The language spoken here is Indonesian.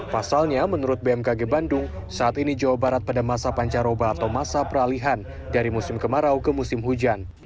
pasalnya menurut bmkg bandung saat ini jawa barat pada masa pancaroba atau masa peralihan dari musim kemarau ke musim hujan